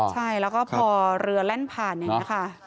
ใช่แล้วก็พอเรือแล่นผ่านอย่างนี้ค่ะ